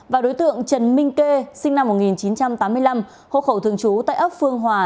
và đối tượng trần minh kê sinh năm một nghìn chín trăm tám mươi năm hộ khẩu thường trú tại ấp phương hòa